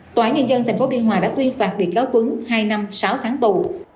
tòa án nhân dân tp biên hòa đã tuyên phạt bị cáo tuấn hai năm sáu tháng tù